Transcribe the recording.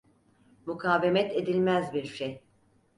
Mukavemet edilmez bir şey!